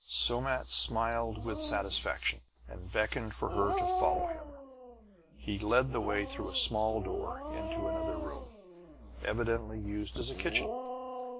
Somat smiled with satisfaction, and beckoned for her to follow him. He led the way through a small door into another room, evidently used as a kitchen.